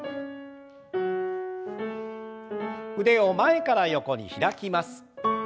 腕を前から横に開きます。